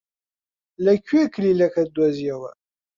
لەکوێ کلیلەکەت دۆزییەوە؟